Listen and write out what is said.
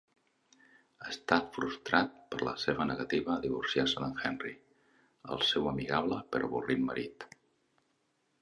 Està frustrat per la seva negativa a divorciar-se d'Henry, el seu amigable però avorrit marit.